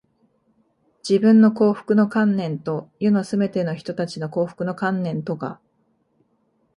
自分の幸福の観念と、世のすべての人たちの幸福の観念とが、